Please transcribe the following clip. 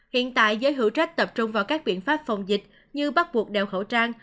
hiện tại giới hữu trách tập trung vào các biện pháp phòng dịch như bắt buộc đeo khẩu trang